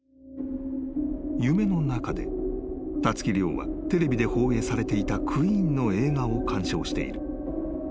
［夢の中でたつき諒はテレビで放映されていたＱＵＥＥＮの映画を観賞している］